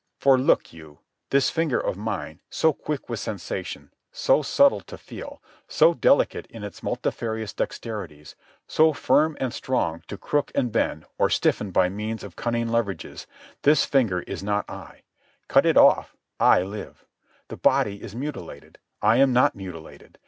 For look you. This finger of mine, so quick with sensation, so subtle to feel, so delicate in its multifarious dexterities, so firm and strong to crook and bend or stiffen by means of cunning leverages—this finger is not I. Cut it off. I live. The body is mutilated. I am not mutilated.